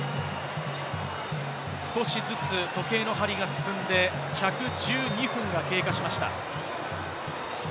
少しずつ時計の針が進んで、１１２分が経過しました。